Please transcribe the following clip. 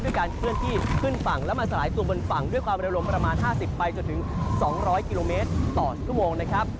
การเคลื่อนที่ขึ้นฝั่งแล้วมาสลายตัวบนฝั่งด้วยความเร็วลมประมาณ๕๐ไปจนถึง๒๐๐กิโลเมตรต่อชั่วโมงนะครับ